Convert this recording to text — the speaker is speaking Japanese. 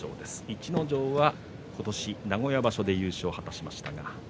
逸ノ城は名古屋場所で優勝を果たしました。